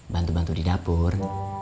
bantu bantu di dapur